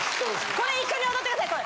これ一緒に踊ってください。